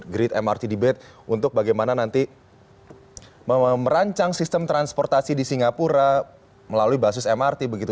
grid mrt debate untuk bagaimana nanti merancang sistem transportasi di singapura melalui basis mrt begitu